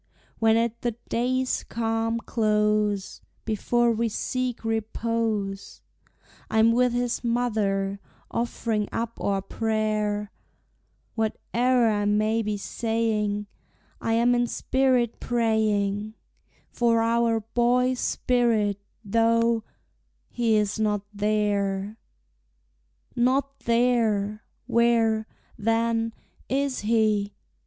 When at the day's calm close, Before we seek repose, I'm with his mother, offering up our prayer; Whate'er I may be saying, I am in spirit praying For our boy's spirit, though he is not there! Not there! Where, then, is he?